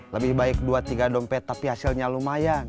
lebih baik dua tiga dompet tapi hasilnya lumayan